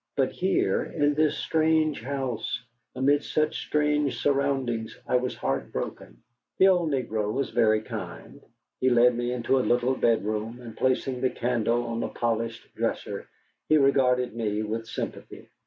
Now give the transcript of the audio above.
But here, in this strange house, amid such strange surroundings, I was heartbroken. The old negro was very kind. He led me into a little bedroom, and placing the candle on a polished dresser, he regarded me with sympathy.